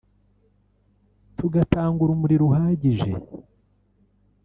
tugatanga urumuri ruhagije